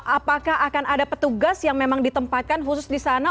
apakah akan ada petugas yang memang ditempatkan khusus di sana